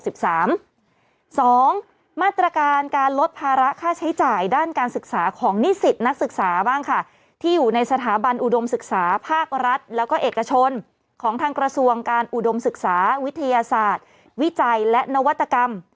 สองมาตรการการลดภาระค่าใช้จ่ายด้านการศึกษาของนิสิตนักศึกษาบ้างค่ะที่อยู่ในสถาบันอุดมศึกษาภาครัฐแล้วก็เอกชนของทางกระทรวงการอุดมศึกษาวิทยาศาสตร์วิจัยและนวัตกรรม